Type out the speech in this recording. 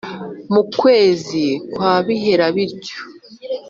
mu kwezi kwa bihera bityo!